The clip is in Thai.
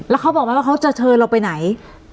แล้วเขาบอกไหมว่าเขาจะเชิญเราไปไหน